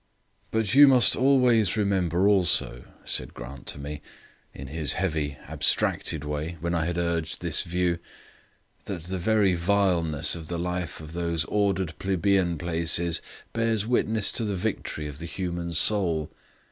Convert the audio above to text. "But you must always remember also," said Grant to me, in his heavy abstracted way, when I had urged this view, "that the very vileness of the life of these ordered plebeian places bears witness to the victory of the human soul.